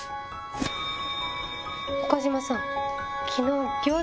岡島さん。